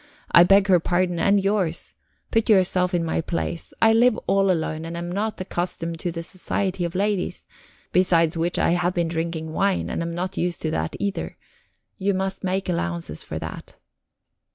I beg her pardon and yours. Put yourself in my place; I live all alone, and am not accustomed to the society of ladies; besides which, I have been drinking wine, and am not used to that either. You must make allowances for that."